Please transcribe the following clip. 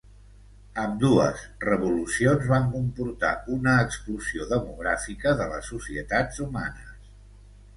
Ambdues revolucions van comportar una explosió demogràfica de les societats humanes.